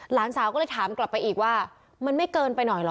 หลานสาวก็เลยถามกลับไปอีกว่ามันไม่เกินไปหน่อยเหรอ